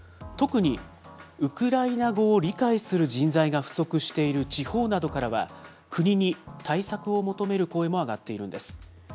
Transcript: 特に、ウクライナ語を理解する人材が不足している地方などからは、国に対策を求める声も上がっているんです。